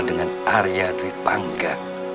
dengan arya duit pangga